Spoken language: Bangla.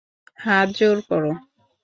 হাত জোড় কর।